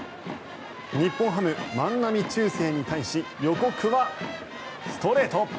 日本ハム、万波中正に対し予告はストレート。